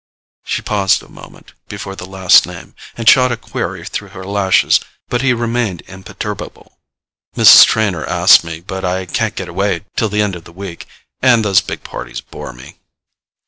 She paused a moment before the last name, and shot a query through her lashes; but he remained imperturbable. "Mrs. Trenor asked me; but I can't get away till the end of the week; and those big parties bore me."